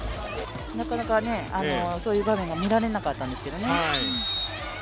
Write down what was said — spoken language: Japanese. なかなかそういう場面が見られなかったんですけどね。